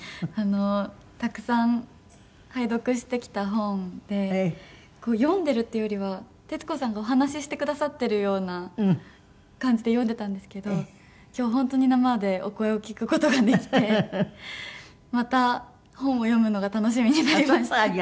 あのたくさん拝読してきた本で読んでるっていうよりは徹子さんがお話ししてくださってるような感じで読んでたんですけど今日本当に生でお声を聞く事ができてまた本を読むのが楽しみになりました。